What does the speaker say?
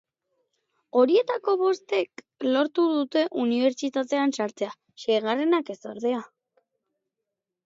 Horietako bostek lortu dute unibertsitatean sartzea; seigarrenak ez, ordea.